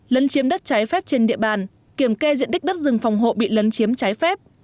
lấn chiếm đất trái phép trên địa bàn kiểm kê diện tích đất rừng phòng hộ bị lấn chiếm trái phép